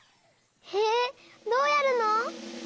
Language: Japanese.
へえどうやるの？